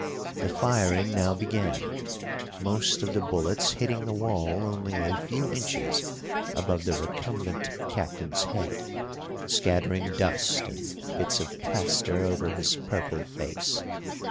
The firing now began, most of the bullets hitting the wall only a few inches above the recumbent Captain's head, scattering dust and bits of plaster over his purple face.